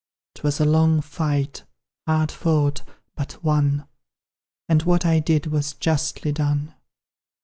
'Twas a long fight, hard fought, but won, And what I did was justly done.